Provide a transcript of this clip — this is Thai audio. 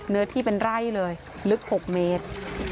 เนื้อที่เป็นไร่เลยลึก๖เมตร